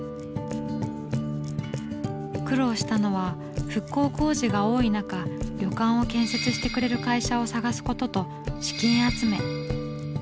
苦労したのは復興工事が多い中旅館を建設してくれる会社を探すことと資金集め。